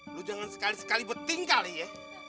lo jangan sekali sekali bertingkali ya